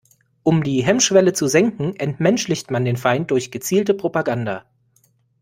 Um die Hemmschwelle zu senken, entmenschlicht man den Feind durch gezielte Propaganda.